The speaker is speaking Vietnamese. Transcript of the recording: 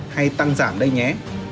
hay tăng giảm đây nhé